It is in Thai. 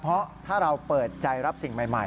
เพราะถ้าเราเปิดใจรับสิ่งใหม่